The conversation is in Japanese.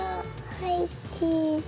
はいチーズ